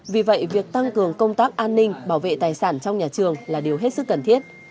vì vậy việc tăng cường công tác an ninh bảo vệ tài sản trong nhà trường là điều hết sức cần thiết